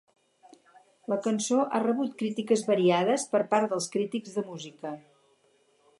La cançó ha rebut crítiques variades per part dels crítics de música.